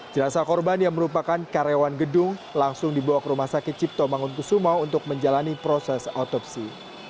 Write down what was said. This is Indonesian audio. jenasa korban yang merupakan karyawan gedung langsung dibawa ke rumah sakit cipto mangunkusumo untuk menjalani proses otopsi